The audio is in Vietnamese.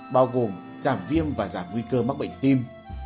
bao gồm giảm viêm và giảm nguy cơ mắc bệnh tim